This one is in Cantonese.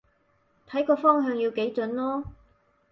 睇個方向要幾準囉